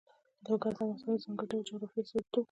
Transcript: لوگر د افغانستان د ځانګړي ډول جغرافیه استازیتوب کوي.